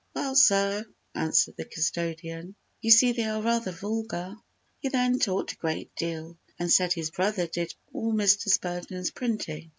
"Well, sir," answered the custodian, "you see they are rather vulgar." He then talked a great deal and said his brother did all Mr. Spurgeon's printing.